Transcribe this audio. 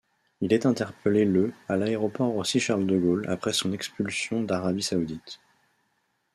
Il est interpellé le à l’aéroport Roissy-Charles-de-Gaulle après son expulsion d’Arabie saoudite.